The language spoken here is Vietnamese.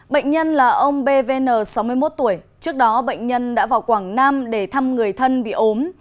bệnh nhân là ông bvn sáu mươi một tuổi trước đó bệnh nhân đã vào quảng nam để thăm người thân bị ốm